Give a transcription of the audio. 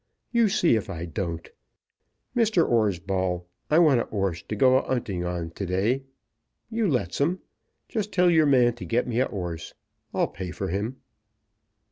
You see if I don't. Mr. 'Orsball, I want a 'orse to go a 'unting on to day. You lets 'em. Just tell your man to get me a 'orse. I'll pay for him."